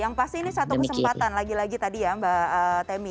yang pasti ini satu kesempatan lagi lagi tadi ya mbak temy